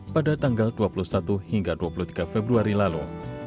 pada tanggal dua puluh satu hingga dua puluh tiga februari lalu